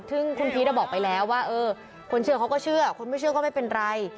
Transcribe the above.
ซึ่งคุณพีชบอกไปแล้วว่าคนเชื่อเขาก็เชื่อคนไม่เชื่อก็ไม่เป็นไร